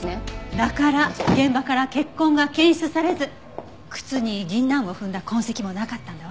だから現場から血痕が検出されず靴に銀杏を踏んだ痕跡もなかったんだわ。